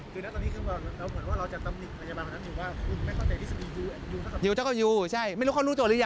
คือนักฐานที่ขึ้นมาเหมือนว่าเราจะตำนึกพยาบาลเหมือนกัน